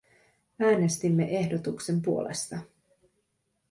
Äänestimme ehdotuksen puolesta.